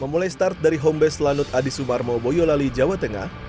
memulai start dari homebase lanut adi sumarmo boyolali jawa tengah